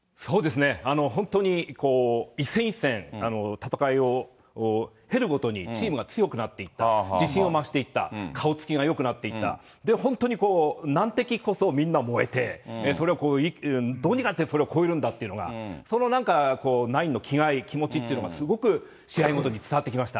戦いを経るごとに、チームが強くなっていった、自信を増していった、顔つきがよくなっていった、本当にこう、難敵こそみんな燃えて、それをどうにかしてみんな超えるんだっていうような、そのなんかこう、ナインの気概、気持ちというのが、すごく試合ごとに伝わってきました。